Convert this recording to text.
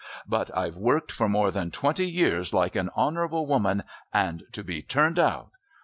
"But I've worked for more than twenty years like an honourable woman, and to be turned out.